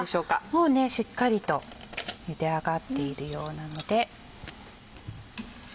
もうねしっかりとゆで上がっているようなので。